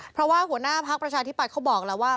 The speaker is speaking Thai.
เพราะว่าหัวหน้าพักประชาธิบัตย์เขาบอกแล้วว่า